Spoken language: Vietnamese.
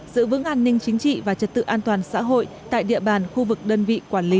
giữ vững an ninh chính trị và trật tự an toàn xã hội tại địa bàn khu vực đơn vị quản lý